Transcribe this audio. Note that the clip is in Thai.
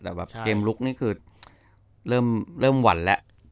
แต่แบบเกมลุกนี่คือเริ่มหวั่นแล้ว